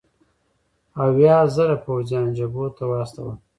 اویا زره پوځیان جبهو ته واستول.